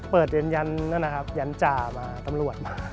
เปิดเอ็นยันต์นะครับยันต์จ่ามาตำรวจมา